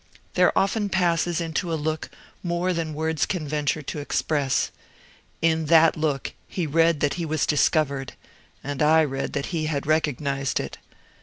There often passes into a look more than words can venture to express. In that look he read that he was discovered, and I read that he had recognized it.